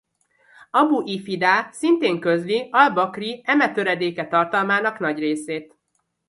Abu l-Fidá szintén közli al-Bakri eme töredéke tartalmának nagy részét.